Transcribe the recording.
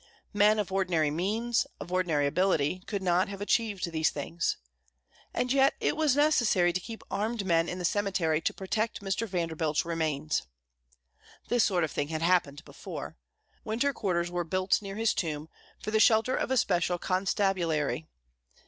Men of ordinary means, of ordinary ability, could not have achieved these things. And yet it was necessary to keep armed men in the cemetery to protect Mr. Vanderbilt's remains. This sort of thing had happened before. Winter quarters were built near his tomb, for the shelter of a special constabulary.